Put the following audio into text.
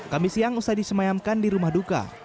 kami siang usai disemayamkan di rumah duka